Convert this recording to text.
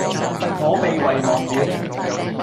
我被遺忘了